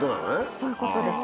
そういうことです。